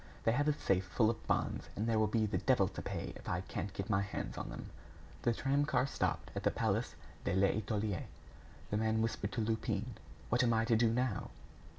They have a safe full of bonds, and there will be the devil to pay if I can't get my hands on them." The tram car stopped at the Place de l'Etoile. The man whispered to Lupin: "What am I to do now?"